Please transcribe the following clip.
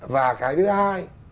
và cái thứ hai